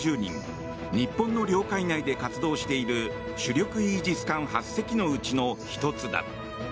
日本の領海内で活動している主力イージス艦８隻のうちの１つだ。